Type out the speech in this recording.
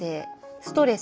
ストレス